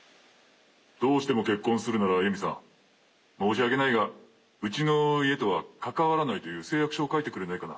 どうしても結婚するなら由美さん申し訳ないがうちの家とは関わらないという誓約書を書いてくれないかな。